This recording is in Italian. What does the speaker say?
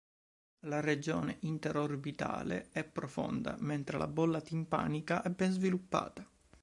La regione inter-orbitale è profonda, mentre la bolla timpanica è ben sviluppata.